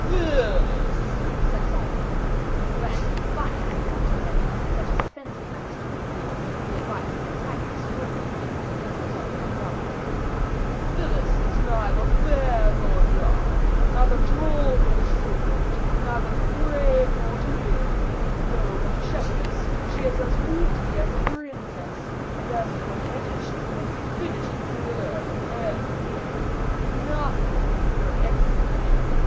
"Phyllis," said Saint Aignan, with a glance of defiance at Montalais, such as a fencing master would give who invites an antagonist worthy of him to place himself on guard, "Phyllis is neither fair nor dark, neither tall nor short, neither too grave nor too gay; though but a shepherdess, she is as witty as a princess, and as coquettish as the most finished flirt that ever lived. Nothing can equal her excellent vision.